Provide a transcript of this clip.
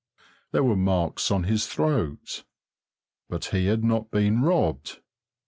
There were marks on his throat, but he had not been robbed.